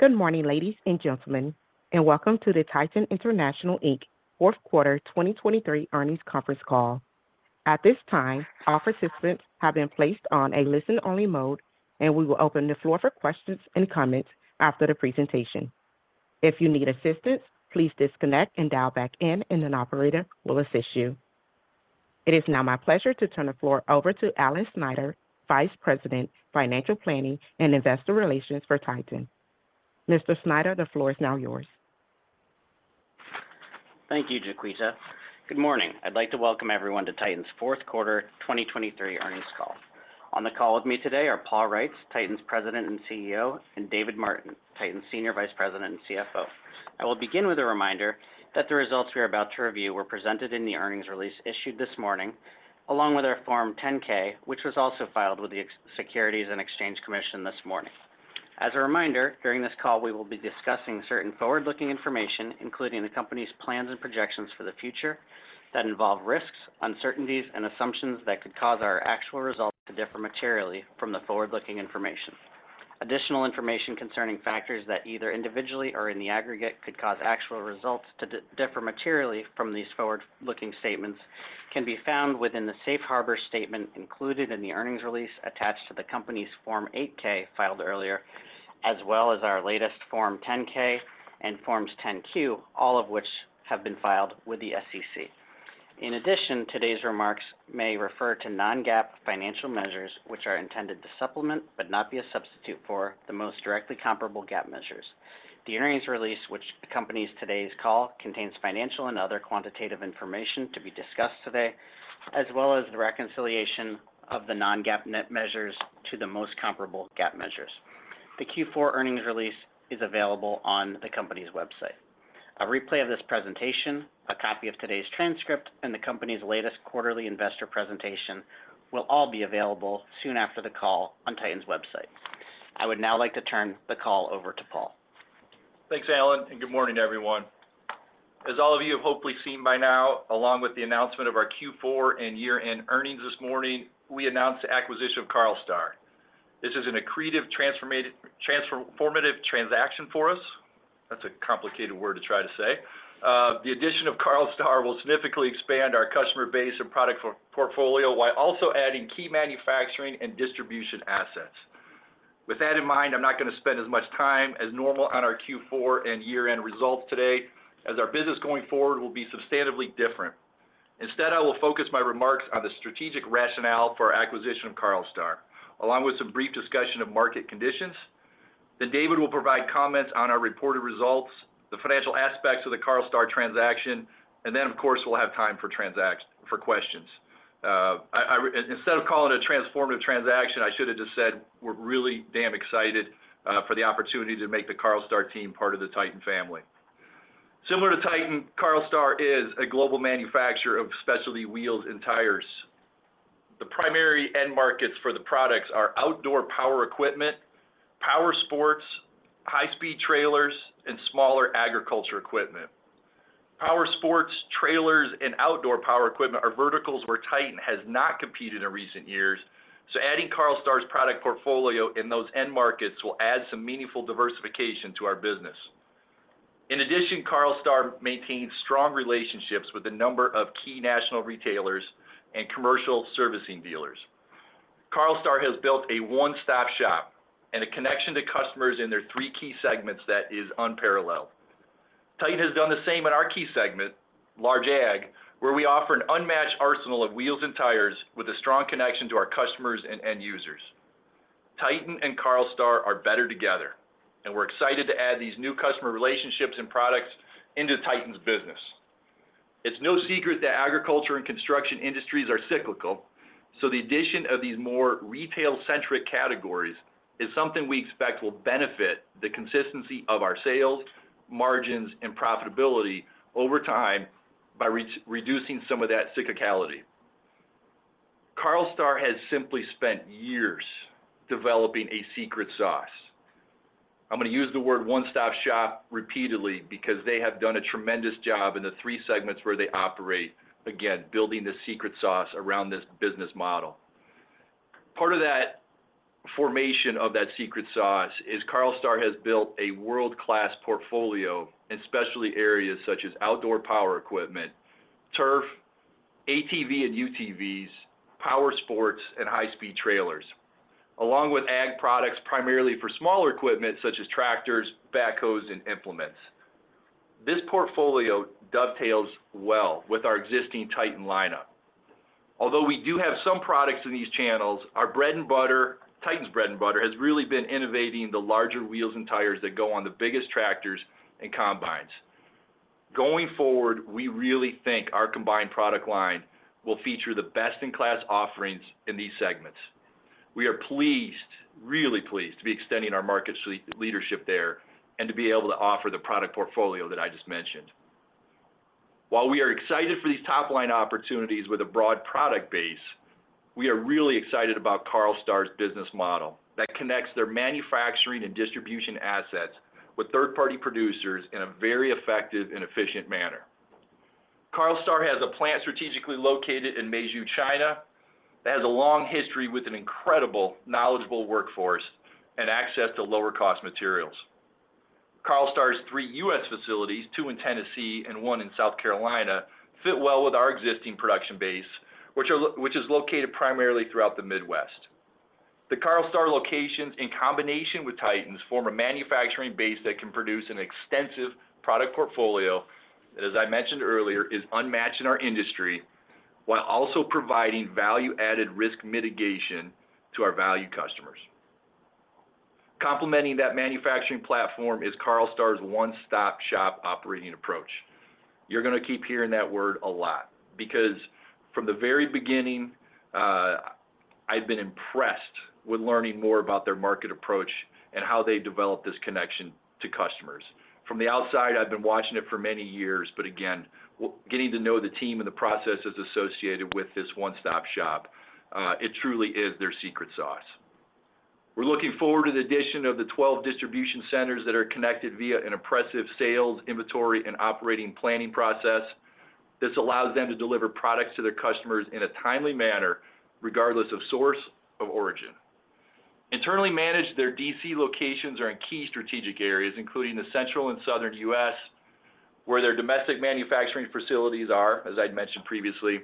Good morning, Ladies and Gentlemen, and Welcome to the Titan International, Inc. Fourth Quarter 2023 Earnings Conference Call. At this time, all participants have been placed on a listen-only mode, and we will open the floor for questions and comments after the presentation. If you need assistance, please disconnect and dial back in, and an operator will assist you. It is now my pleasure to turn the floor over to Alan Snyder, Vice President, Financial Planning and Investor Relations for Titan. Mr. Snyder, the floor is now yours. Thank you, Jaquita. Good morning. I'd like to Welcome Everyone to Titan's Fourth Quarter 2023 Earnings call. On the call with me today are Paul Reitz, Titan's President and CEO, and David Martin, Titan's Senior Vice President and CFO. I will begin with a reminder that the results we are about to review were presented in the earnings release issued this morning, along with our Form 10-K, which was also filed with the Securities and Exchange Commission this morning. As a reminder, during this call we will be discussing certain forward-looking information, including the company's plans and projections for the future, that involve risks, uncertainties, and assumptions that could cause our actual results to differ materially from the forward-looking information. Additional information concerning factors that either individually or in the aggregate could cause actual results to differ materially from these forward-looking statements can be found within the Safe Harbor statement included in the earnings release attached to the company's Form 8-K filed earlier, as well as our latest Form 10-K and Forms 10-Q, all of which have been filed with the SEC. In addition, today's remarks may refer to non-GAAP financial measures, which are intended to supplement but not be a substitute for the most directly comparable GAAP measures. The earnings release, which accompanies today's call, contains financial and other quantitative information to be discussed today, as well as the reconciliation of the non-GAAP measures to the most comparable GAAP measures. The Q4 earnings release is available on the company's website. A replay of this presentation, a copy of today's transcript, and the company's latest quarterly investor presentation will all be available soon after the call on Titan's website. I would now like to turn the call over to Paul. Thanks, Alan, and good morning, everyone. As all of you have hopefully seen by now, along with the announcement of our Q4 and year-end earnings this morning, we announced the acquisition of Carlstar. This is an accretive, transformative transaction for us. That's a complicated word to try to say. The addition of Carlstar will significantly expand our customer base and product portfolio while also adding key manufacturing and distribution assets. With that in mind, I'm not going to spend as much time as normal on our Q4 and year-end results today, as our business going forward will be substantively different. Instead, I will focus my remarks on the strategic rationale for our acquisition of Carlstar, along with some brief discussion of market conditions. Then David will provide comments on our reported results, the financial aspects of the Carlstar transaction, and then, of course, we'll have time for questions. Instead of calling it a transformative transaction, I should have just said we're really damn excited for the opportunity to make the Carlstar team part of the Titan family. Similar to Titan, Carlstar is a global manufacturer of specialty wheels and tires. The primary end markets for the products are outdoor power equipment, power sports, high-speed trailers, and smaller agriculture equipment. Power sports, trailers, and outdoor power equipment are verticals where Titan has not competed in recent years, so adding Carlstar's product portfolio in those end markets will add some meaningful diversification to our business. In addition, Carlstar maintains strong relationships with a number of key national retailers and commercial servicing dealers. Carlstar has built a one-stop shop and a connection to customers in their three key segments that is unparalleled. Titan has done the same in our key segment, large ag, where we offer an unmatched arsenal of wheels and tires with a strong connection to our customers and end users. Titan and Carlstar are better together, and we're excited to add these new customer relationships and products into Titan's business. It's no secret that agriculture and construction industries are cyclical, so the addition of these more retail-centric categories is something we expect will benefit the consistency of our sales, margins, and profitability over time by reducing some of that cyclicality. Carlstar has simply spent years developing a secret sauce. I'm going to use the word one-stop shop repeatedly because they have done a tremendous job in the three segments where they operate, again, building the secret sauce around this business model. Part of that formation of that secret sauce is Carlstar has built a world-class portfolio, especially areas such as outdoor power equipment, turf, ATV and UTVs, power sports, and high-speed trailers, along with ag products primarily for smaller equipment such as tractors, backhoes, and implements. This portfolio dovetails well with our existing Titan lineup. Although we do have some products in these channels, our bread and butter, Titan's bread and butter, has really been innovating the larger wheels and tires that go on the biggest tractors and combines. Going forward, we really think our combined product line will feature the best-in-class offerings in these segments. We are pleased, really pleased, to be extending our market leadership there and to be able to offer the product portfolio that I just mentioned. While we are excited for these top-line opportunities with a broad product base, we are really excited about Carlstar's business model that connects their manufacturing and distribution assets with third-party producers in a very effective and efficient manner. Carlstar has a plant strategically located in Meizhou, China, that has a long history with an incredible, knowledgeable workforce and access to lower-cost materials. Carlstar's three U.S. facilities, two in Tennessee and one in South Carolina, fit well with our existing production base, which is located primarily throughout the Midwest. The Carlstar locations, in combination with Titan, form a manufacturing base that can produce an extensive product portfolio that, as I mentioned earlier, is unmatched in our industry while also providing value-added risk mitigation to our value customers. Complementing that manufacturing platform is Carlstar's one-stop shop operating approach. You're going to keep hearing that word a lot because, from the very beginning, I've been impressed with learning more about their market approach and how they developed this connection to customers. From the outside, I've been watching it for many years, but again, getting to know the team and the processes associated with this one-stop shop, it truly is their secret sauce. We're looking forward to the addition of the 12 distribution centers that are connected via an impressive sales, inventory, and operations planning process that allows them to deliver products to their customers in a timely manner regardless of source of origin. Internally managed, their D.C. locations are in key strategic areas, including the central and southern U.S. where their domestic manufacturing facilities are, as I'd mentioned previously,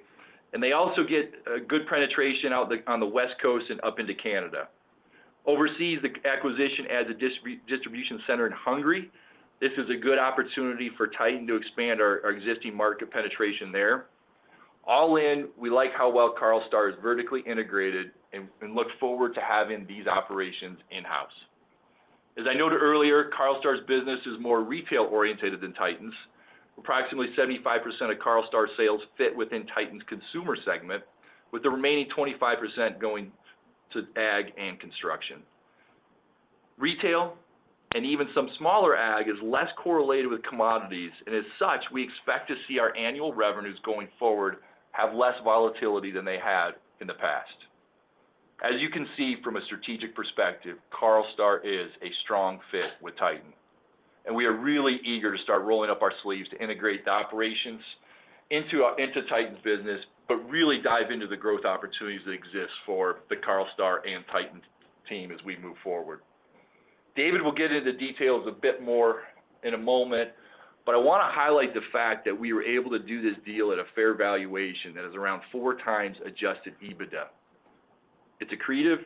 and they also get good penetration out on the West Coast and up into Canada. Overseas, the acquisition adds a distribution center in Hungary. This is a good opportunity for Titan to expand our existing market penetration there. All in, we like how well Carlstar is vertically integrated and look forward to having these operations in-house. As I noted earlier, Carlstar's business is more retail-oriented than Titan's. Approximately 75% of Carlstar's sales fit within Titan's consumer segment, with the remaining 25% going to ag and construction. Retail and even some smaller ag is less correlated with commodities, and as such, we expect to see our annual revenues going forward have less volatility than they had in the past. As you can see from a strategic perspective, Carlstar is a strong fit with Titan, and we are really eager to start rolling up our sleeves to integrate the operations into Titan's business but really dive into the growth opportunities that exist for the Carlstar and Titan team as we move forward. David will get into the details a bit more in a moment, but I want to highlight the fact that we were able to do this deal at a fair valuation that is around 4x Adjusted EBITDA. It's accretive,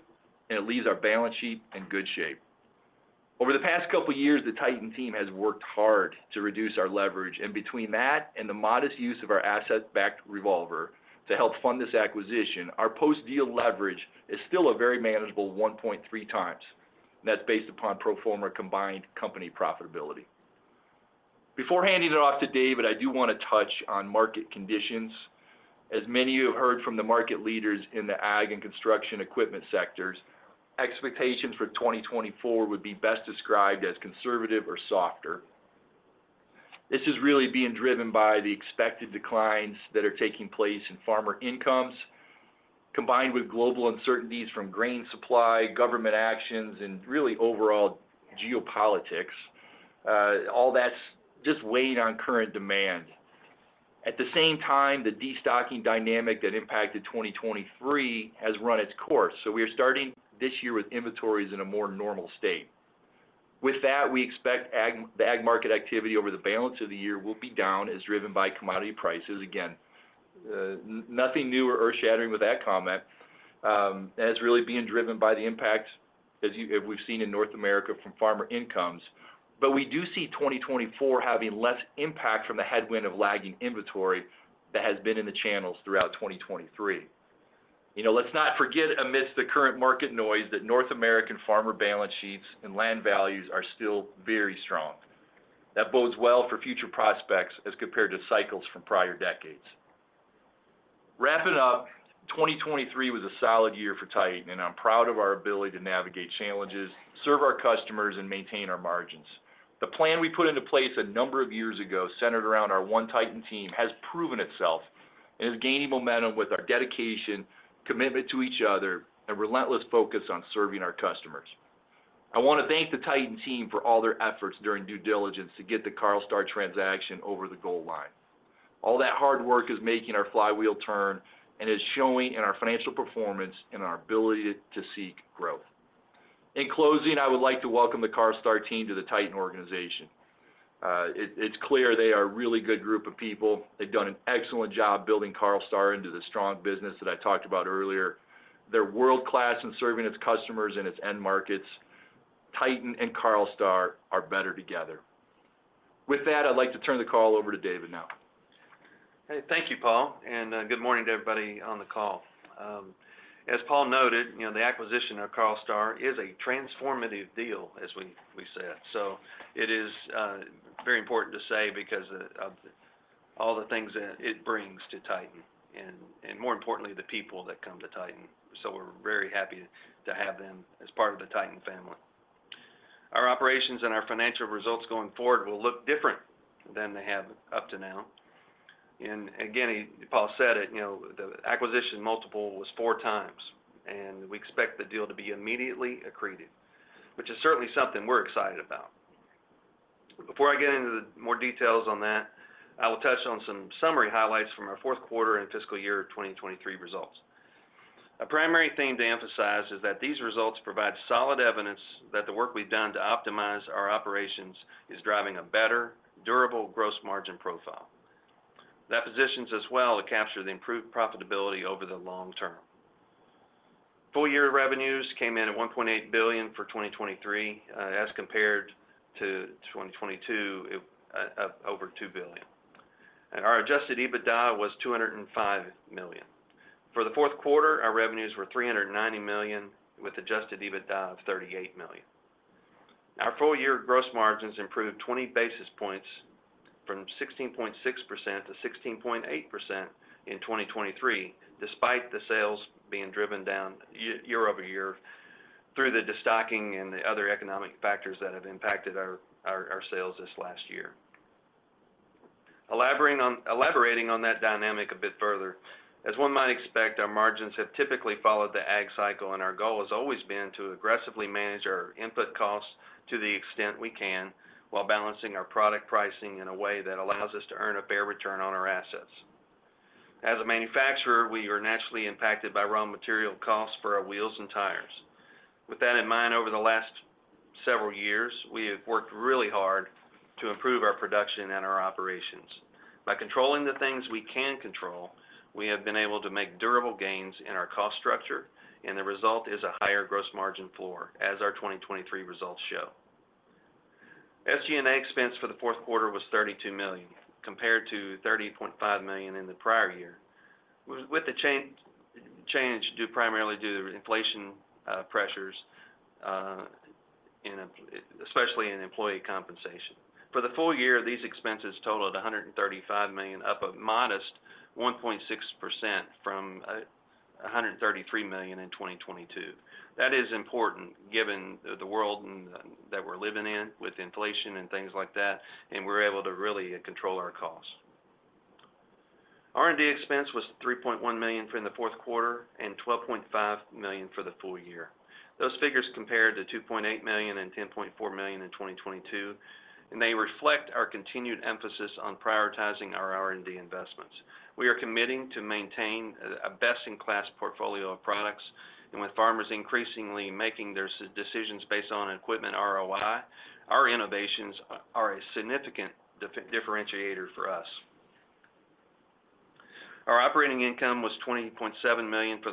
and it leaves our balance sheet in good shape. Over the past couple of years, the Titan team has worked hard to reduce our leverage, and between that and the modest use of our asset-backed revolver to help fund this acquisition, our post-deal leverage is still a very manageable 1.3x, and that's based upon pro forma combined company profitability. Before handing it off to David, I do want to touch on market conditions. As many of you have heard from the market leaders in the ag and construction equipment sectors, expectations for 2024 would be best described as conservative or softer. This is really being driven by the expected declines that are taking place in farmer incomes, combined with global uncertainties from grain supply, government actions, and really overall geopolitics. All that's just weighing on current demand. At the same time, the destocking dynamic that impacted 2023 has run its course, so we are starting this year with inventories in a more normal state. With that, we expect the ag market activity over the balance of the year will be down as driven by commodity prices. Again, nothing new or earth-shattering with that comment. That's really being driven by the impacts that we've seen in North America from farmer incomes, but we do see 2024 having less impact from the headwind of lagging inventory that has been in the channels throughout 2023. Let's not forget, amidst the current market noise, that North American farmer balance sheets and land values are still very strong. That bodes well for future prospects as compared to cycles from prior decades. Wrapping up, 2023 was a solid year for Titan, and I'm proud of our ability to navigate challenges, serve our customers, and maintain our margins. The plan we put into place a number of years ago centered around our One Titan team has proven itself and is gaining momentum with our dedication, commitment to each other, and relentless focus on serving our customers. I want to thank the Titan team for all their efforts during due diligence to get the Carlstar transaction over the goal line. All that hard work is making our flywheel turn and is showing in our financial performance and our ability to seek growth. In closing, I would like to welcome the Carlstar team to the Titan organization. It's clear they are a really good group of people. They've done an excellent job building Carlstar into the strong business that I talked about earlier. They're world-class in serving its customers and its end markets. Titan and Carlstar are better together. With that, I'd like to turn the call over to David now. Hey, thank you, Paul, and good morning to everybody on the call. As Paul noted, the acquisition of Carlstar is a transformative deal, as we said. So it is very important to say because of all the things that it brings to Titan and, more importantly, the people that come to Titan. So we're very happy to have them as part of the Titan family. Our operations and our financial results going forward will look different than they have up to now. And again, Paul said it, the acquisition multiple was 4x, and we expect the deal to be immediately accretive, which is certainly something we're excited about. Before I get into the more details on that, I will touch on some summary highlights from our fourth quarter and fiscal year 2023 results. A primary theme to emphasize is that these results provide solid evidence that the work we've done to optimize our operations is driving a better, durable gross margin profile. That positions us well to capture the improved profitability over the long term. Full-year revenues came in at $1.8 billion for 2023. As compared to 2022, it was over $2 billion. Our Adjusted EBITDA was $205 million. For the fourth quarter, our revenues were $390 million with Adjusted EBITDA of $38 million. Our full-year gross margins improved 20 basis points from 16.6%-16.8% in 2023, despite the sales being driven down year-over-year through the destocking and the other economic factors that have impacted our sales this last year. Elaborating on that dynamic a bit further, as one might expect, our margins have typically followed the ag cycle, and our goal has always been to aggressively manage our input costs to the extent we can while balancing our product pricing in a way that allows us to earn a fair return on our assets. As a manufacturer, we are naturally impacted by raw material costs for our wheels and tires. With that in mind, over the last several years, we have worked really hard to improve our production and our operations. By controlling the things we can control, we have been able to make durable gains in our cost structure, and the result is a higher gross margin floor, as our 2023 results show. SG&A expense for the fourth quarter was $32 million compared to $30.5 million in the prior year. With the change primarily due to inflation pressures, especially in employee compensation. For the full year, these expenses totaled $135 million, up a modest 1.6% from $133 million in 2022. That is important given the world that we're living in with inflation and things like that, and we're able to really control our costs. R&D expense was $3.1 million for the fourth quarter and $12.5 million for the full year. Those figures compared to $2.8 million and $10.4 million in 2022, and they reflect our continued emphasis on prioritizing our R&D investments. We are committing to maintaining a best-in-class portfolio of products, and with farmers increasingly making their decisions based on equipment ROI, our innovations are a significant differentiator for us. Our operating income was $20.7 million for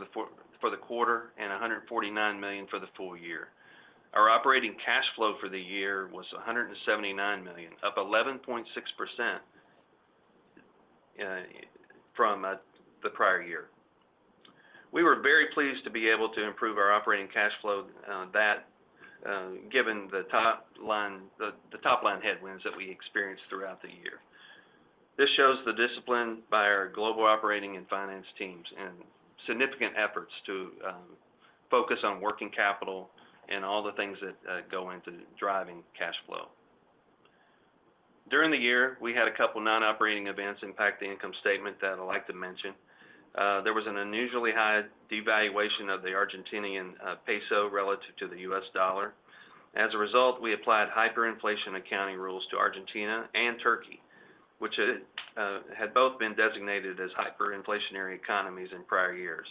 the quarter and $149 million for the full year. Our operating cash flow for the year was $179 million, up 11.6% from the prior year. We were very pleased to be able to improve our operating cash flow given the top-line headwinds that we experienced throughout the year. This shows the discipline by our global operating and finance teams and significant efforts to focus on working capital and all the things that go into driving cash flow. During the year, we had a couple of non-operating events impact the income statement that I'd like to mention. There was an unusually high devaluation of the Argentinian peso relative to the U.S. dollar. As a result, we applied hyperinflation accounting rules to Argentina and Turkey, which had both been designated as hyperinflationary economies in prior years.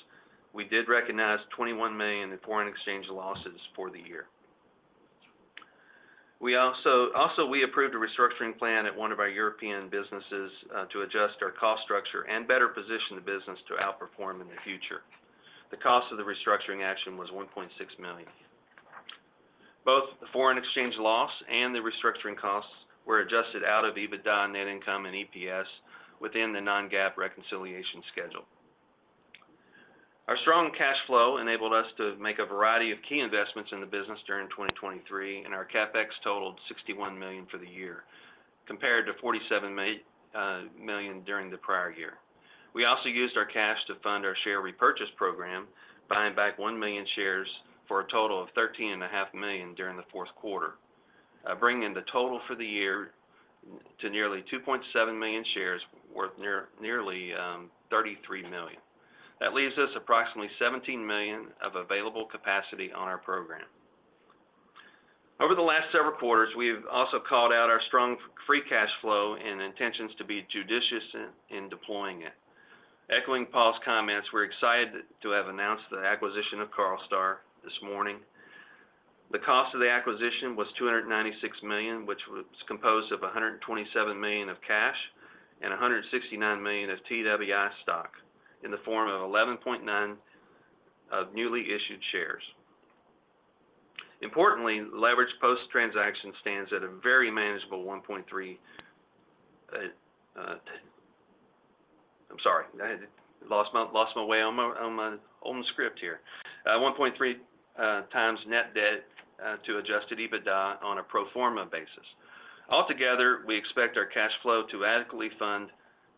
We did recognize $21 million in foreign exchange losses for the year. Also, we approved a restructuring plan at one of our European businesses to adjust our cost structure and better position the business to outperform in the future. The cost of the restructuring action was $1.6 million. Both the foreign exchange loss and the restructuring costs were adjusted out of EBITDA, net income, and EPS within the non-GAAP reconciliation schedule. Our strong cash flow enabled us to make a variety of key investments in the business during 2023, and our Capex totaled $61 million for the year compared to $47 million during the prior year. We also used our cash to fund our share repurchase program, buying back 1 million shares for a total of $13.5 million during the fourth quarter, bringing the total for the year to nearly 2.7 million shares worth nearly $33 million. That leaves us approximately $17 million of available capacity on our program. Over the last several quarters, we have also called out our strong free cash flow and intentions to be judicious in deploying it. Echoing Paul's comments, we're excited to have announced the acquisition of Carlstar this morning. The cost of the acquisition was $296 million, which was composed of $127 million of cash and $169 million of TWI stock in the form of 11.9 million of newly issued shares. Importantly, leverage post-transaction stands at a very manageable 1.3. I'm sorry, I lost my way on my own script here. 1.3x net debt to Adjusted EBITDA on a pro forma basis. Altogether, we expect our cash flow to adequately fund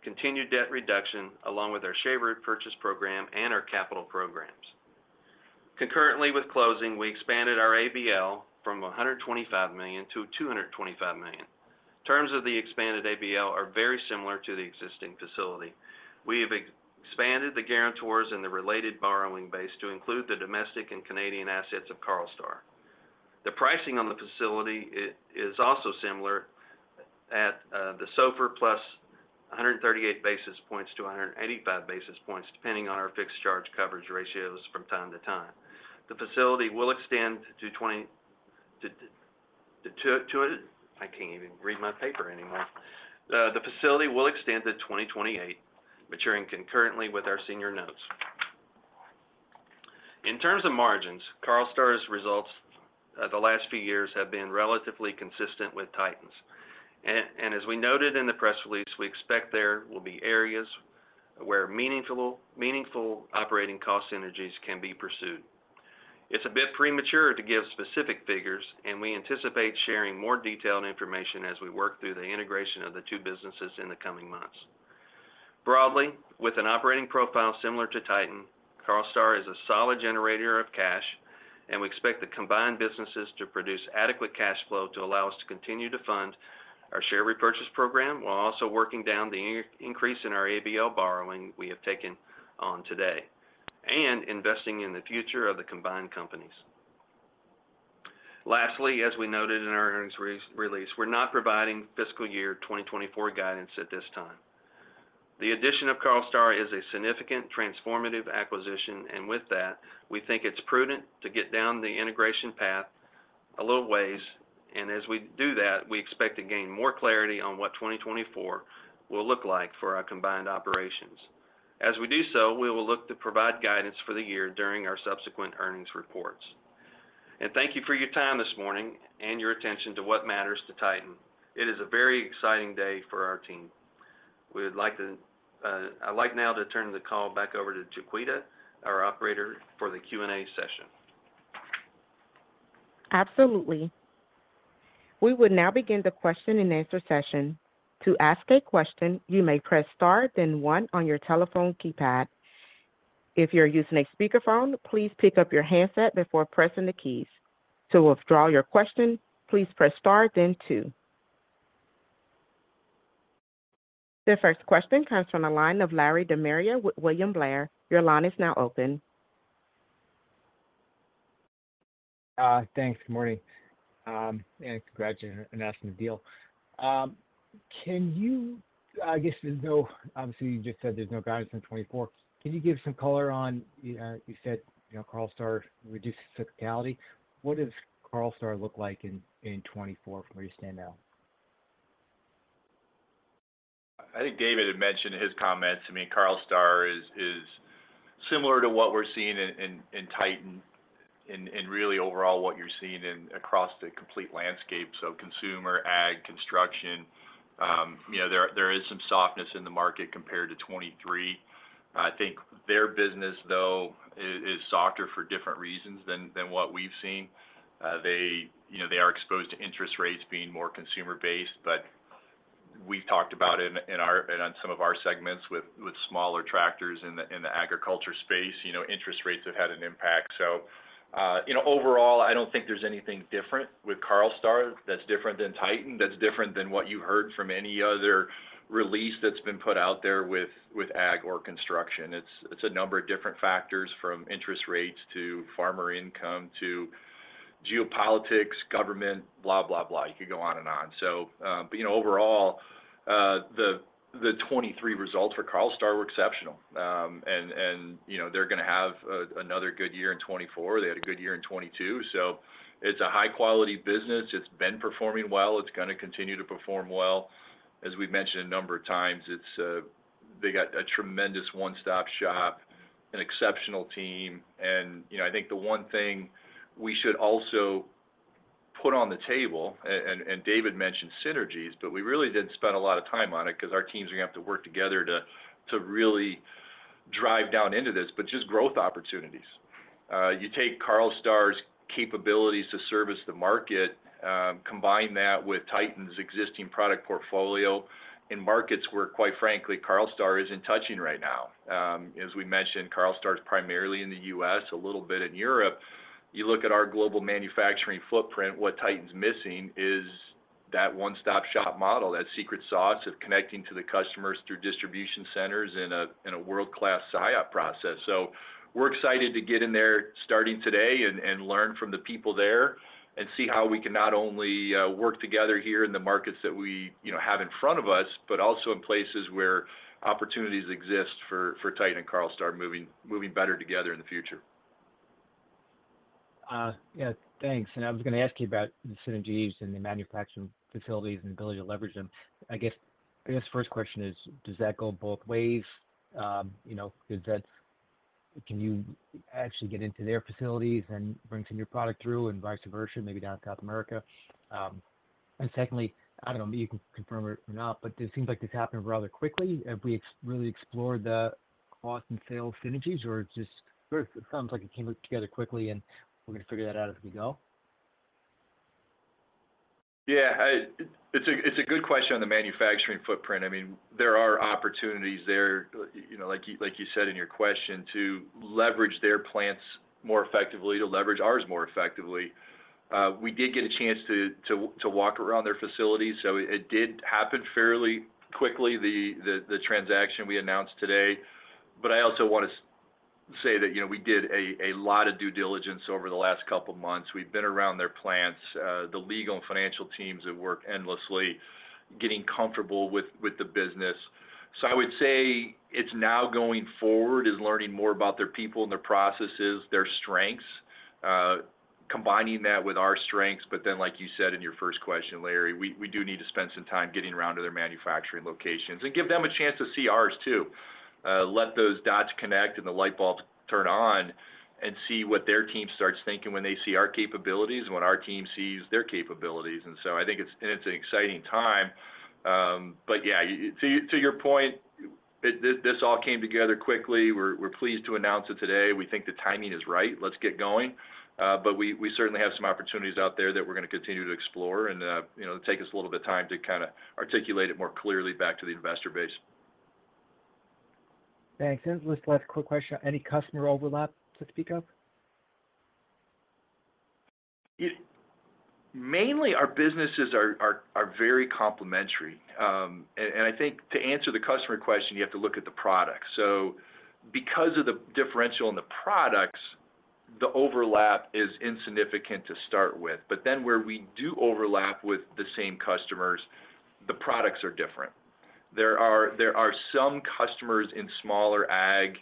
continued debt reduction along with our share repurchase program and our capital programs. Concurrently with closing, we expanded our ABL from $125 million-$225 million. Terms of the expanded ABL are very similar to the existing facility. We have expanded the guarantors and the related borrowing base to include the domestic and Canadian assets of Carlstar. The pricing on the facility is also similar at the SOFR plus 138 basis points to 185 basis points, depending on our fixed charge coverage ratios from time to time. The facility will extend to 20. I can't even read my paper anymore. The facility will extend to 2028, maturing concurrently with our senior notes. In terms of margins, Carlstar's results the last few years have been relatively consistent with Titan's. And as we noted in the press release, we expect there will be areas where meaningful operating cost synergies can be pursued. It's a bit premature to give specific figures, and we anticipate sharing more detailed information as we work through the integration of the two businesses in the coming months. Broadly, with an operating profile similar to Titan, Carlstar is a solid generator of cash, and we expect the combined businesses to produce adequate cash flow to allow us to continue to fund our share repurchase program while also working down the increase in our ABL borrowing we have taken on today and investing in the future of the combined companies. Lastly, as we noted in our earnings release, we're not providing fiscal year 2024 guidance at this time. The addition of Carlstar is a significant transformative acquisition, and with that, we think it's prudent to get down the integration path a little ways. And as we do that, we expect to gain more clarity on what 2024 will look like for our combined operations. As we do so, we will look to provide guidance for the year during our subsequent earnings reports. Thank you for your time this morning and your attention to what matters to Titan. It is a very exciting day for our team. I'd like now to turn the call back over to Chiquita, our operator for the Q&A session. Absolutely. We would now begin the question and answer session. To ask a question, you may press Start, then One on your telephone keypad. If you're using a speakerphone, please pick up your handset before pressing the keys. To withdraw your question, please press Start, then Two. The first question comes from a line of Larry De Maria with William Blair. Your line is now open. Thanks. Good morning. Congratulations on closing the deal. I guess there's no. Obviously, you just said there's no guidance in 2024. Can you give some color on? You said Carlstar reduces cyclicality. What does Carlstar look like in 2024 from where you stand now? I think David had mentioned his comments to me. Carlstar is similar to what we're seeing in Titan, and really overall, what you're seeing across the complete landscape. So consumer, ag, construction, there is some softness in the market compared to 2023. I think their business, though, is softer for different reasons than what we've seen. They are exposed to interest rates being more consumer-based, but we've talked about it in some of our segments with smaller tractors in the agriculture space. Interest rates have had an impact. So overall, I don't think there's anything different with Carlstar that's different than Titan, that's different than what you heard from any other release that's been put out there with ag or construction. It's a number of different factors from interest rates to farmer income to geopolitics, government, blah, blah, blah. You could go on and on. Overall, the 2023 results for Carlstar were exceptional, and they're going to have another good year in 2024. They had a good year in 2022. It's a high-quality business. It's been performing well. It's going to continue to perform well. As we've mentioned a number of times, they got a tremendous one-stop shop, an exceptional team. I think the one thing we should also put on the table, and David mentioned synergies, but we really didn't spend a lot of time on it because our teams are going to have to work together to really drive down into this, but just growth opportunities. You take Carlstar's capabilities to service the market, combine that with Titan's existing product portfolio in markets where, quite frankly, Carlstar isn't touching right now. As we mentioned, Carlstar's primarily in the U.S., a little bit in Europe. You look at our global manufacturing footprint. What Titan's missing is that one-stop shop model, that secret sauce of connecting to the customers through distribution centers in a world-class SIOP process. So we're excited to get in there starting today and learn from the people there and see how we can not only work together here in the markets that we have in front of us, but also in places where opportunities exist for Titan and Carlstar moving better together in the future. Yeah, thanks. And I was going to ask you about the synergies in the manufacturing facilities and the ability to leverage them. I guess the first question is, does that go both ways? Can you actually get into their facilities and bring some of your product through and vice versa, maybe down in South America? And secondly, I don't know if you can confirm it or not, but it seems like this happened rather quickly. Have we really explored the cost and sales synergies, or it just sounds like it came together quickly, and we're going to figure that out as we go? Yeah, it's a good question on the manufacturing footprint. I mean, there are opportunities there, like you said in your question, to leverage their plants more effectively, to leverage ours more effectively. We did get a chance to walk around their facilities, so it did happen fairly quickly, the transaction we announced today. But I also want to say that we did a lot of due diligence over the last couple of months. We've been around their plants. The legal and financial teams have worked endlessly getting comfortable with the business. So I would say it's now going forward is learning more about their people and their processes, their strengths, combining that with our strengths. But then, like you said in your first question, Larry, we do need to spend some time getting around to their manufacturing locations and give them a chance to see ours too. Let those dots connect and the light bulbs turn on, and see what their team starts thinking when they see our capabilities and when our team sees their capabilities. And so I think it's an exciting time. But yeah, to your point, this all came together quickly. We're pleased to announce it today. We think the timing is right. Let's get going. But we certainly have some opportunities out there that we're going to continue to explore and take us a little bit of time to kind of articulate it more clearly back to the investor base. Thanks. Just last quick question, any customer overlap to speak of? Mainly, our businesses are very complementary. I think to answer the customer question, you have to look at the products. So because of the differential in the products, the overlap is insignificant to start with. But then where we do overlap with the same customers, the products are different. There are some customers in smaller ag.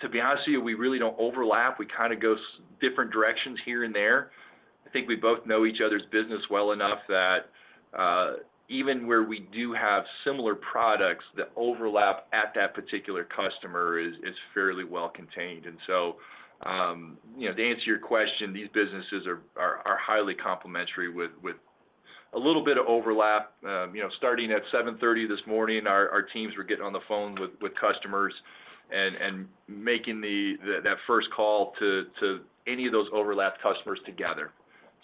To be honest with you, we really don't overlap. We kind of go different directions here and there. I think we both know each other's business well enough that even where we do have similar products, the overlap at that particular customer is fairly well contained. To answer your question, these businesses are highly complementary with a little bit of overlap. Starting at 7:30 A.M. this morning, our teams were getting on the phone with customers and making that first call to any of those overlapped customers together.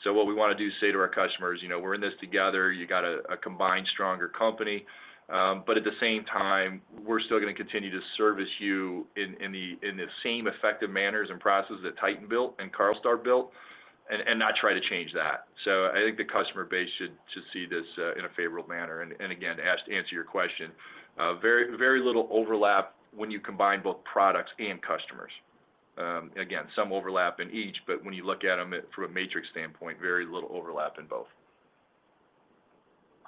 So what we want to do is say to our customers, "We're in this together. You got a combined, stronger company. But at the same time, we're still going to continue to service you in the same effective manners and processes that Titan built and Carlstar built and not try to change that." So I think the customer base should see this in a favorable manner. And again, to answer your question, very little overlap when you combine both products and customers. Again, some overlap in each, but when you look at them from a matrix standpoint, very little overlap in both.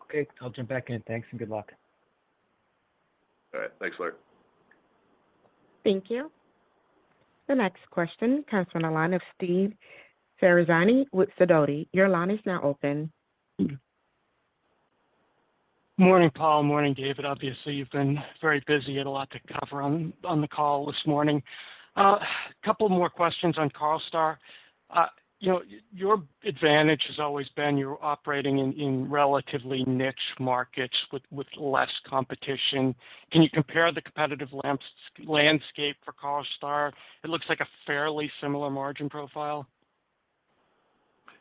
Okay. I'll jump back in. Thanks and good luck. All right. Thanks, Larry. Thank you. The next question comes from a line of Steve Ferazani with Sidoti. Your line is now open. Morning, Paul. Morning, David. Obviously, you've been very busy. You had a lot to cover on the call this morning. A couple more questions on Carlstar. Your advantage has always been you're operating in relatively niche markets with less competition. Can you compare the competitive landscape for Carlstar? It looks like a fairly similar margin profile.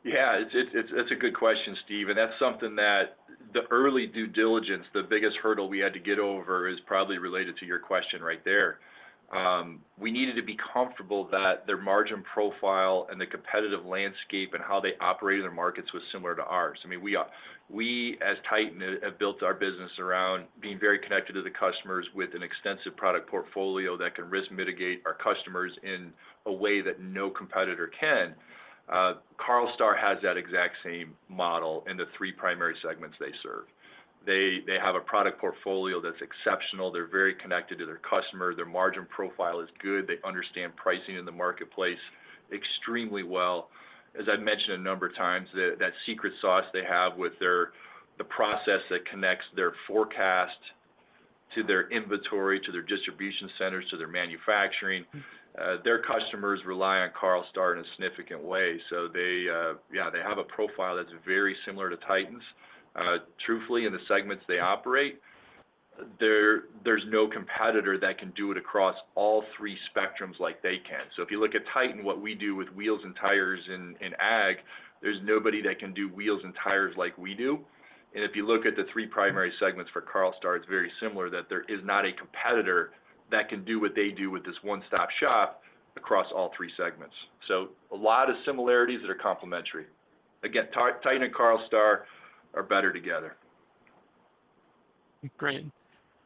Yeah, that's a good question, Steve. That's something that the early due diligence, the biggest hurdle we had to get over is probably related to your question right there. We needed to be comfortable that their margin profile and the competitive landscape and how they operated their markets was similar to ours. I mean, we as Titan have built our business around being very connected to the customers with an extensive product portfolio that can risk mitigate our customers in a way that no competitor can. Carlstar has that exact same model in the three primary segments they serve. They have a product portfolio that's exceptional. They're very connected to their customer. Their margin profile is good. They understand pricing in the marketplace extremely well. As I've mentioned a number of times, that secret sauce they have with the process that connects their forecast to their inventory, to their distribution centers, to their manufacturing, their customers rely on Carlstar in a significant way. So yeah, they have a profile that's very similar to Titan's. Truthfully, in the segments they operate, there's no competitor that can do it across all three spectrums like they can. So if you look at Titan, what we do with wheels and tires in ag, there's nobody that can do wheels and tires like we do. And if you look at the three primary segments for Carlstar, it's very similar that there is not a competitor that can do what they do with this one-stop shop across all three segments. So a lot of similarities that are complementary. Again, Titan and Carlstar are better together. Great.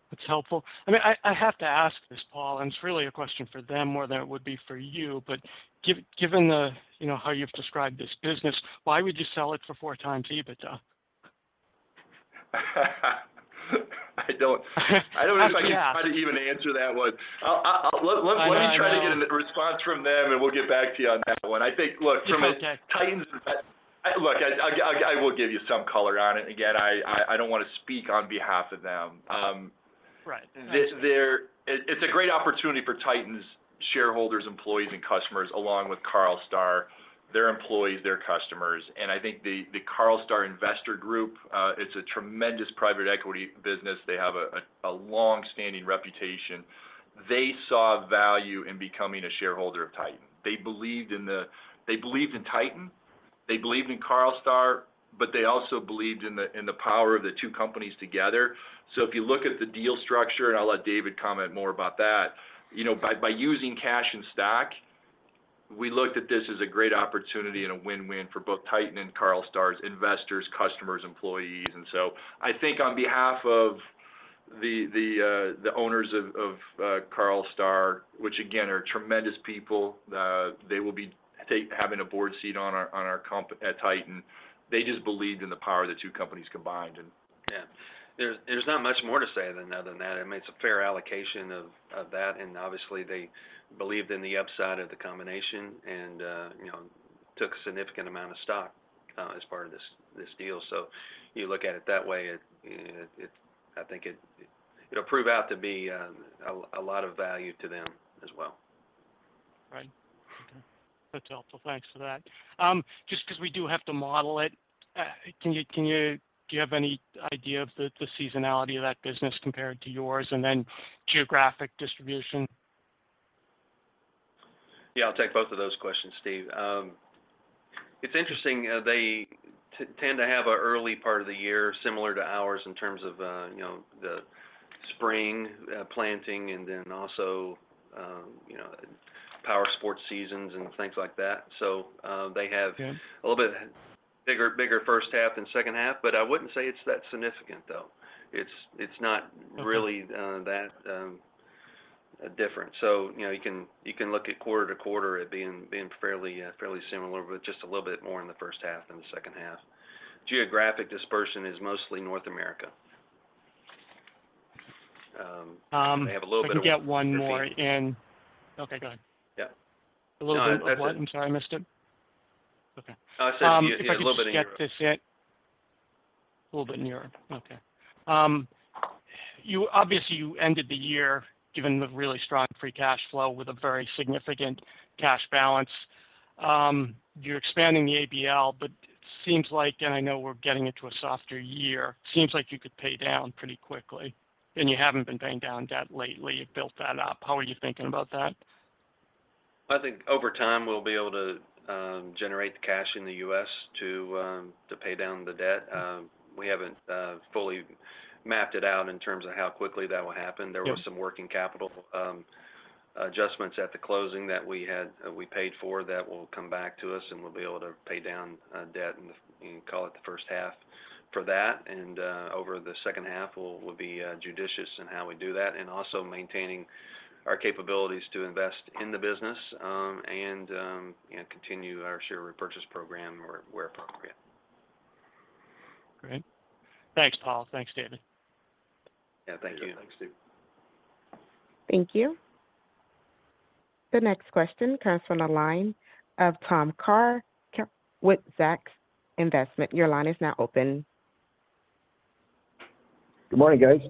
That's helpful. I mean, I have to ask this, Paul, and it's really a question for them more than it would be for you. But given how you've described this business, why would you sell it for 4x EBITDA? I don't know if I can even answer that one. Let me try to get a response from them, and we'll get back to you on that one. I think, look, from a Titan's.It's okay. Look, I will give you some color on it. Again, I don't want to speak on behalf of them. It's a great opportunity for Titan's shareholders, employees, and customers, along with Carlstar, their employees, their customers. I think the Carlstar Investor Group, it's a tremendous private equity business. They have a longstanding reputation. They saw value in becoming a shareholder of Titan. They believed in they believed in Titan. They believed in Carlstar, but they also believed in the power of the two companies together. If you look at the deal structure, and I'll let David comment more about that, by using cash and stock, we looked at this as a great opportunity and a win-win for both Titan and Carlstar's investors, customers, employees. And so I think on behalf of the owners of Carlstar, which again are tremendous people, they will be having a board seat on our board at Titan. They just believed in the power of the two companies combined. Yeah. There's not much more to say than that. I mean, it's a fair allocation of that. And obviously, they believed in the upside of the combination and took a significant amount of stock as part of this deal. So you look at it that way, I think it'll prove out to be a lot of value to them as well. Right. Okay. That's helpful. Thanks for that. Just because we do have to model it, do you have any idea of the seasonality of that business compared to yours and then geographic distribution? Yeah, I'll take both of those questions, Steve. It's interesting. They tend to have an early part of the year similar to ours in terms of the spring planting and then also power sports seasons and things like that. So they have a little bit bigger first half than second half, but I wouldn't say it's that significant, though. It's not really that different. So you can look at quarter to quarter, it being fairly similar, but just a little bit more in the first half than the second half. Geographic dispersion is mostly North America. Let me get one more. Okay, go ahead. Yeah. A little bit of what? I'm sorry, I missed it. Okay. I said a little bit in Europe. bit in Europe. Okay. Obviously, you ended the year, given the really strong free cash flow, with a very significant cash balance. You're expanding the ABL, but it seems like, and I know we're getting into a softer year, it seems like you could pay down pretty quickly. You haven't been paying down debt lately. You've built that up. How are you thinking about that? I think over time, we'll be able to generate the cash in the U.S. to pay down the debt. We haven't fully mapped it out in terms of how quickly that will happen. There were some working capital adjustments at the closing that we paid for that will come back to us, and we'll be able to pay down debt and call it the first half for that. Over the second half, we'll be judicious in how we do that and also maintaining our capabilities to invest in the business and continue our share repurchase program where appropriate. Great. Thanks, Paul. Thanks, David. Yeah, thank you. Thanks, Steve. Thank you. The next question comes from a line of Tom Kerr with Zacks Investment. Your line is now open. Good morning, guys.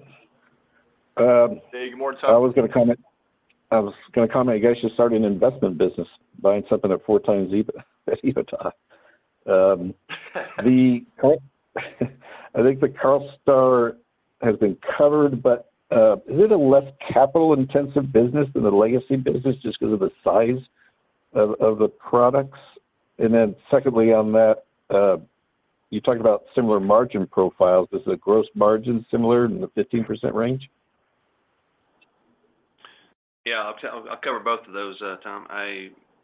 Hey, good morning, Tom. I was going to comment. I was going to comment, you guys just started an investment business, buying something at 4x EBITDA. I think the Carlstar has been covered, but is it a less capital-intensive business than the legacy business just because of the size of the products? And then secondly on that, you talked about similar margin profiles. Is the gross margin similar in the 15% range? Yeah, I'll cover both of those, Tom.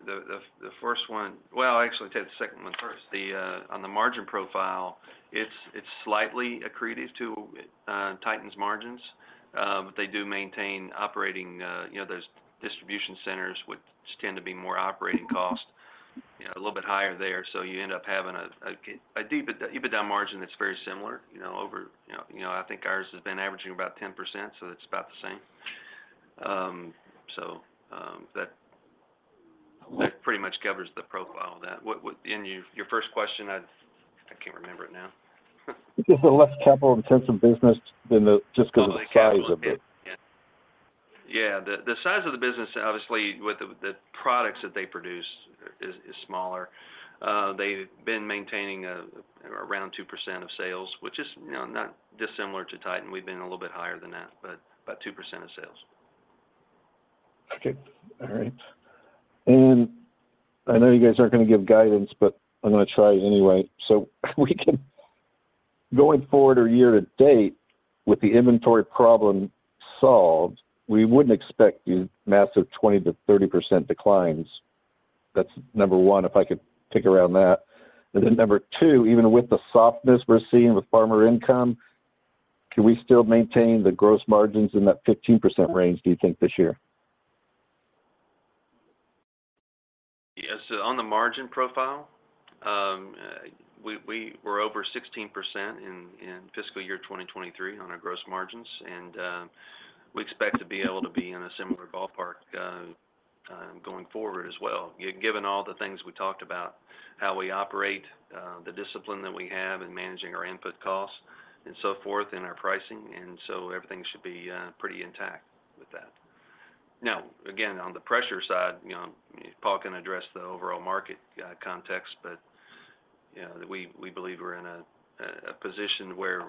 The first one, well, I actually take the second one first. On the margin profile, it's slightly accretive to Titan's margins, but they do maintain operating those distribution centers, which tend to be more operating cost, a little bit higher there. So you end up having an EBITDA margin that's very similar. I think ours has been averaging about 10%, so it's about the same. So that pretty much covers the profile of that. And your first question, I can't remember it now. It's a less capital-intensive business just because of the size of it. Yeah. The size of the business, obviously, with the products that they produce is smaller. They've been maintaining around 2% of sales, which is not dissimilar to Titan. We've been a little bit higher than that, but about 2% of sales. Okay. All right. And I know you guys aren't going to give guidance, but I'm going to try it anyway. So going forward or year to date, with the inventory problem solved, we wouldn't expect massive 20%-30% declines. That's number one, if I could pick around that. And then number two, even with the softness we're seeing with farmer income, can we still maintain the gross margins in that 15% range, do you think, this year? Yes. On the margin profile, we're over 16% in fiscal year 2023 on our gross margins. We expect to be able to be in a similar ballpark going forward as well, given all the things we talked about, how we operate, the discipline that we have in managing our input costs and so forth in our pricing. So everything should be pretty intact with that. Now, again, on the pressure side, Paul can address the overall market context, but we believe we're in a position where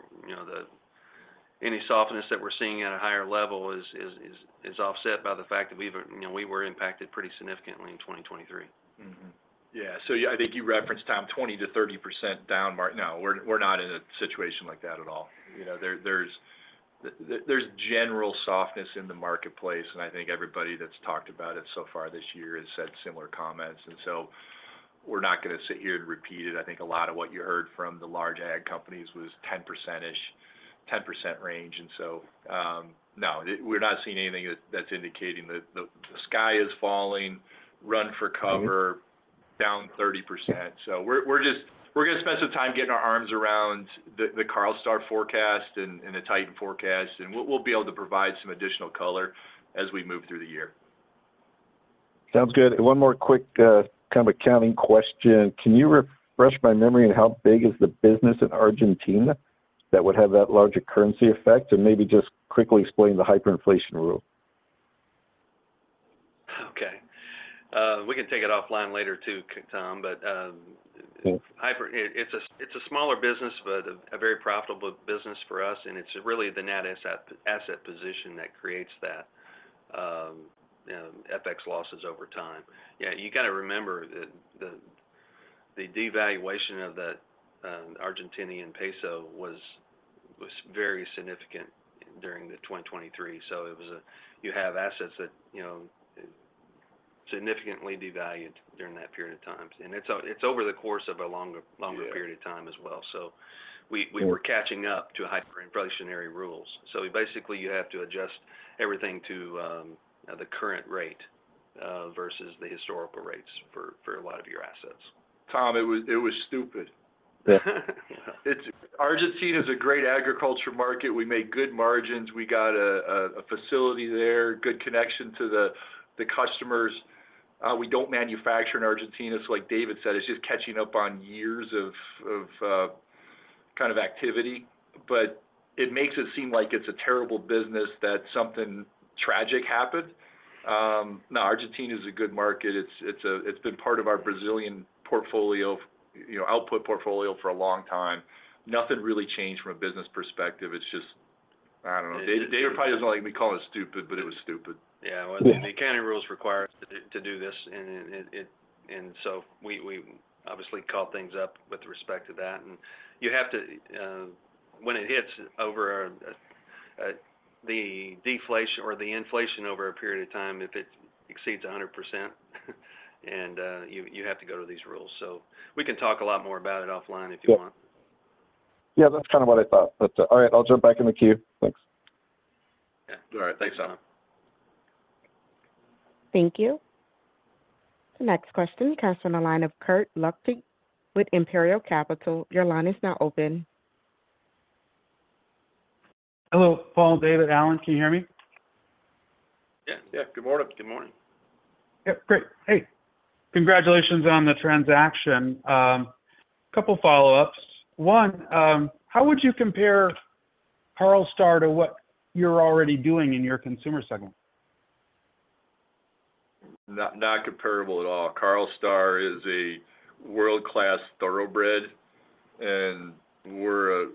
any softness that we're seeing at a higher level is offset by the fact that we were impacted pretty significantly in 2023. Yeah. So I think you referenced, Tom, 20%-30% down market. No, we're not in a situation like that at all. There's general softness in the marketplace, and I think everybody that's talked about it so far this year has said similar comments. And so we're not going to sit here and repeat it. I think a lot of what you heard from the large ag companies was 10%-ish, 10% range. And so no, we're not seeing anything that's indicating that the sky is falling, run for cover, down 30%. So we're going to spend some time getting our arms around the Carlstar forecast and the Titan forecast, and we'll be able to provide some additional color as we move through the year. Sounds good. One more quick kind of accounting question. Can you refresh my memory on how big is the business in Argentina that would have that larger currency effect? And maybe just quickly explain the hyperinflation rule. Okay. We can take it offline later too, Tom, but it's a smaller business, but a very profitable business for us. It's really the net asset position that creates that FX losses over time. Yeah, you got to remember that the devaluation of the Argentine peso was very significant during 2023. So you have assets that significantly devalued during that period of time. It's over the course of a longer period of time as well. So we were catching up to hyperinflationary rules. So basically, you have to adjust everything to the current rate versus the historical rates for a lot of your assets. Tom, it was stupid. Argentina is a great agriculture market. We make good margins. We got a facility there, good connection to the customers. We don't manufacture in Argentina. So like David said, it's just catching up on years of kind of activity. But it makes it seem like it's a terrible business that something tragic happened. No, Argentina is a good market. It's been part of our Brazilian output portfolio for a long time. Nothing really changed from a business perspective. It's just, I don't know. David probably doesn't like me calling it stupid, but it was stupid. Yeah. The accounting rules require us to do this. And so we obviously caught things up with respect to that. And you have to, when it hits over the deflation or the inflation over a period of time, if it exceeds 100%, and you have to go to these rules. So we can talk a lot more about it offline if you want. Yeah, that's kind of what I thought. But all right, I'll jump back in the queue. Thanks. All right. Thanks, Tom. Thank you. The next question comes from a line of Kirk Ludtke with Imperial Capital. Your line is now open. Hello, Paul, David, Alan, can you hear me? Yeah. Yeah. Good morning. Good morning. Yeah. Great. Hey, congratulations on the transaction. A couple of follow-ups. One, how would you compare Carlstar to what you're already doing in your consumer segment? Not comparable at all. Carlstar is a world-class thoroughbred, and what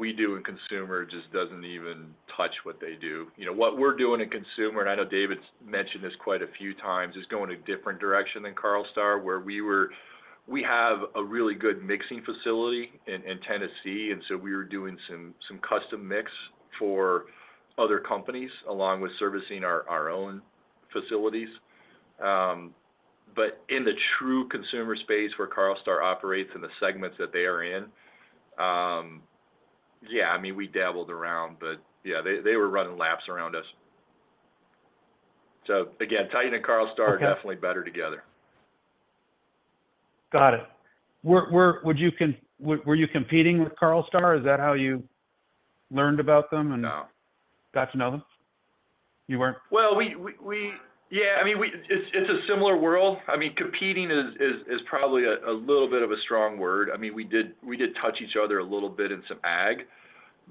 we do in consumer just doesn't even touch what they do. What we're doing in consumer, and I know David's mentioned this quite a few times, is going a different direction than Carlstar, where we have a really good mixing facility in Tennessee. And so we were doing some custom mix for other companies along with servicing our own facilities. But in the true consumer space where Carlstar operates and the segments that they are in, yeah, I mean, we dabbled around, but yeah, they were running laps around us. So again, Titan and Carlstar are definitely better together. Got it. Were you competing with Carlstar? Is that how you learned about them and got to know them? You weren't? Well, yeah, I mean, it's a similar world. I mean, competing is probably a little bit of a strong word. I mean, we did touch each other a little bit in some ag,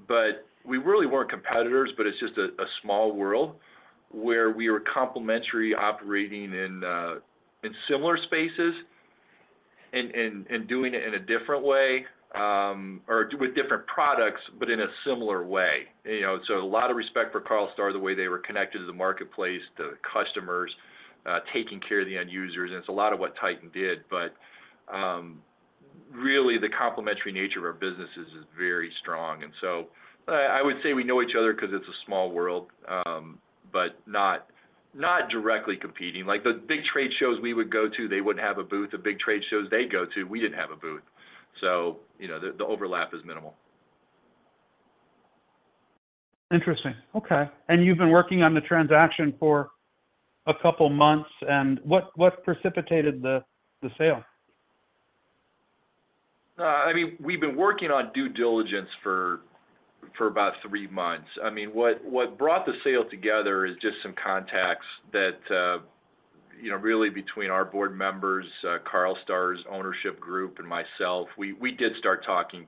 but we really weren't competitors. But it's just a small world where we were complementary operating in similar spaces and doing it in a different way or with different products, but in a similar way. So a lot of respect for Carlstar, the way they were connected to the marketplace, the customers, taking care of the end users. And it's a lot of what Titan did. But really, the complementary nature of our businesses is very strong. And so I would say we know each other because it's a small world, but not directly competing. The big trade shows we would go to, they wouldn't have a booth. The big trade shows they go to, we didn't have a booth. So the overlap is minimal. Interesting. Okay. You've been working on the transaction for a couple of months. What precipitated the sale? I mean, we've been working on due diligence for about three months. I mean, what brought the sale together is just some contacts that really between our board members, Carlstar's ownership group, and myself, we did start talking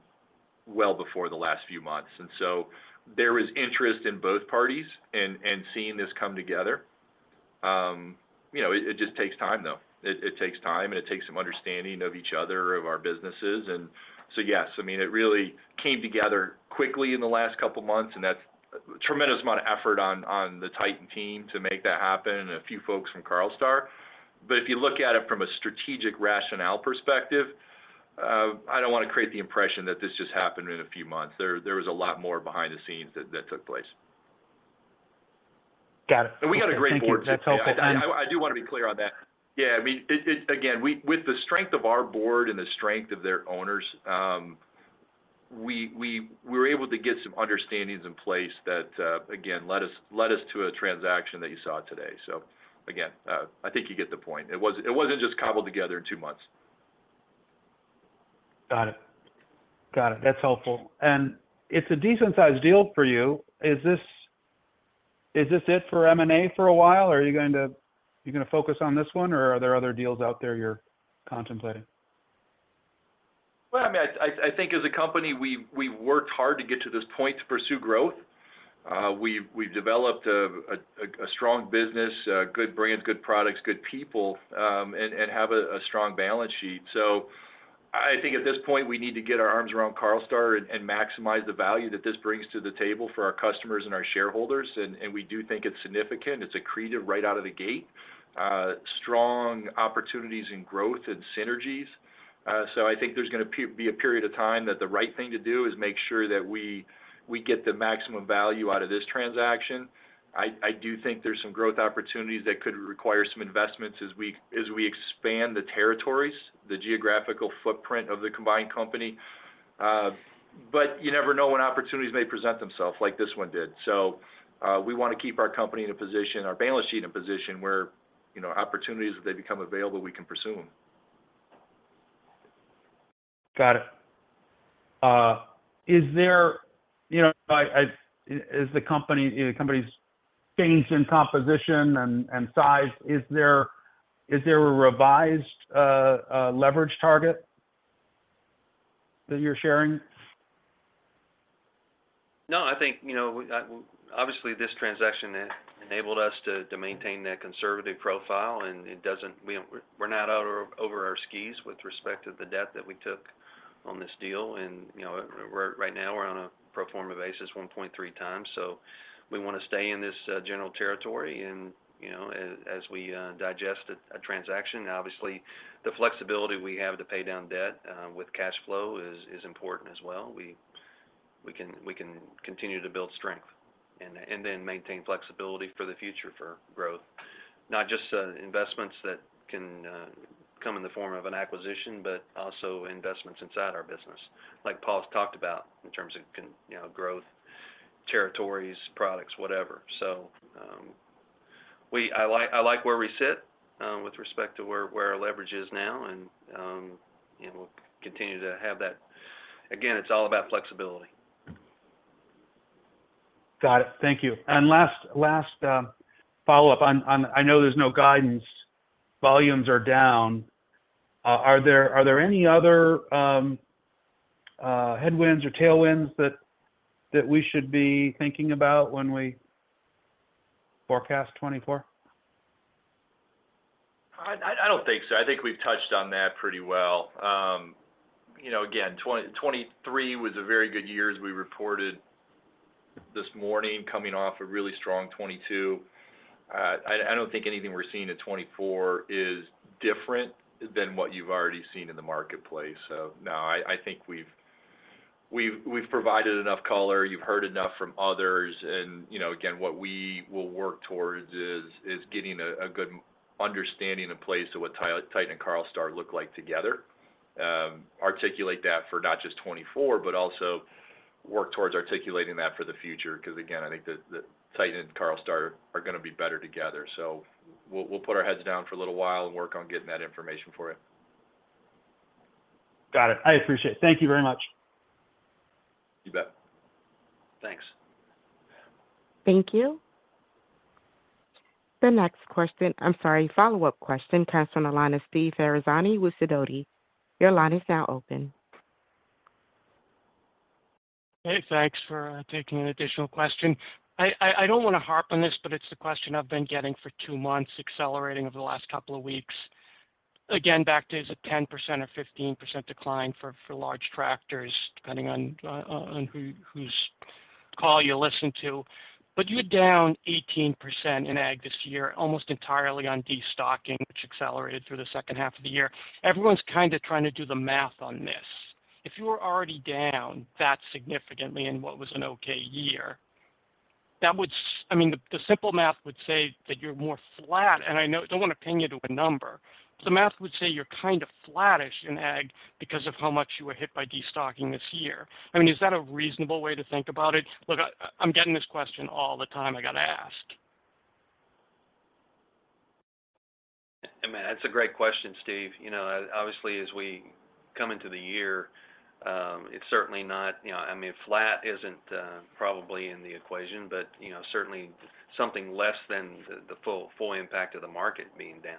well before the last few months. And so there was interest in both parties and seeing this come together. It just takes time, though. It takes time, and it takes some understanding of each other, of our businesses. And so yes, I mean, it really came together quickly in the last couple of months. And that's a tremendous amount of effort on the Titan team to make that happen and a few folks from Carlstar. But if you look at it from a strategic rationale perspective, I don't want to create the impression that this just happened in a few months. There was a lot more behind the scenes that took place. Got it. We got a great board. Thank you. That's helpful. Yeah. I do want to be clear on that. Yeah. I mean, again, with the strength of our board and the strength of their owners, we were able to get some understandings in place that, again, led us to a transaction that you saw today. So again, I think you get the point. It wasn't just cobbled together in two months. Got it. Got it. That's helpful. It's a decent-sized deal for you. Is this it for M&A for a while? Are you going to focus on this one, or are there other deals out there you're contemplating? Well, I mean, I think as a company, we've worked hard to get to this point to pursue growth. We've developed a strong business, good brands, good products, good people, and have a strong balance sheet. So I think at this point, we need to get our arms around Carlstar and maximize the value that this brings to the table for our customers and our shareholders. And we do think it's significant. It's accretive right out of the gate, strong opportunities in growth and synergies. So I think there's going to be a period of time that the right thing to do is make sure that we get the maximum value out of this transaction. I do think there's some growth opportunities that could require some investments as we expand the territories, the geographical footprint of the combined company. But you never know when opportunities may present themselves like this one did. So we want to keep our company in a position, our balance sheet in a position where opportunities that they become available, we can pursue them. Got it. Is there, as the company's changed in composition and size, a revised leverage target that you're sharing? No, I think obviously, this transaction enabled us to maintain that conservative profile. We're not out over our skis with respect to the debt that we took on this deal. Right now, we're on a pro forma basis, 1.3x. We want to stay in this general territory as we digest a transaction. Obviously, the flexibility we have to pay down debt with cash flow is important as well. We can continue to build strength and then maintain flexibility for the future for growth, not just investments that can come in the form of an acquisition, but also investments inside our business, like Paul's talked about in terms of growth, territories, products, whatever. I like where we sit with respect to where our leverage is now, and we'll continue to have that. Again, it's all about flexibility. Got it. Thank you. And last follow-up, I know there's no guidance. Volumes are down. Are there any other headwinds or tailwinds that we should be thinking about when we forecast 2024? I don't think so. I think we've touched on that pretty well. Again, 2023 was a very good year as we reported this morning, coming off a really strong 2022. I don't think anything we're seeing in 2024 is different than what you've already seen in the marketplace. So no, I think we've provided enough color. You've heard enough from others. And again, what we will work towards is getting a good understanding in place of what Titan and Carlstar look like together, articulate that for not just 2024, but also work towards articulating that for the future because, again, I think that Titan and Carlstar are going to be better together. So we'll put our heads down for a little while and work on getting that information for you. Got it. I appreciate it. Thank you very much. You bet. Thanks. Thank you. The next question, I'm sorry, follow-up question, comes from a line of Steve Ferazani with Sidoti. Your line is now open. Hey, thanks for taking an additional question. I don't want to harp on this, but it's the question I've been getting for two months, accelerating over the last couple of weeks. Again, back to is it 10% or 15% decline for large tractors, depending on whose call you listen to? But you're down 18% in ag this year, almost entirely on destocking, which accelerated through the second half of the year. Everyone's kind of trying to do the math on this. If you were already down that significantly in what was an okay year, I mean, the simple math would say that you're more flat. I don't want to pin you to a number. The math would say you're kind of flattish in ag because of how much you were hit by destocking this year. I mean, is that a reasonable way to think about it? Look, I'm getting this question all the time. I got to ask. I mean, that's a great question, Steve. Obviously, as we come into the year, it's certainly not, I mean, flat isn't probably in the equation, but certainly something less than the full impact of the market being down.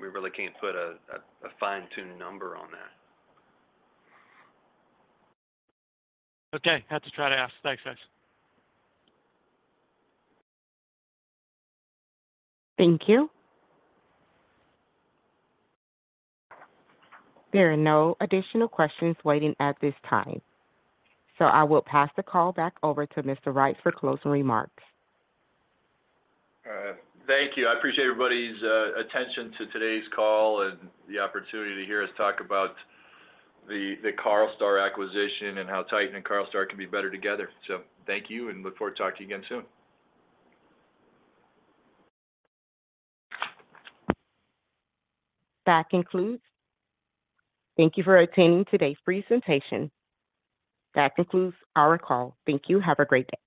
We really can't put a fine-tuned number on that. Okay. Had to try to ask. Thanks, guys. Thank you. There are no additional questions waiting at this time. I will pass the call back over to Mr. Reitz for closing remarks. Thank you. I appreciate everybody's attention to today's call and the opportunity to hear us talk about the Carlstar acquisition and how Titan and Carlstar can be better together. So thank you, and look forward to talking again soon. That concludes. Thank you for attending today's presentation. That concludes our call. Thank you. Have a great day.